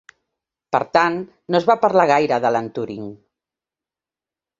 Per tant, no es va parlar gaire d'Alan Turing.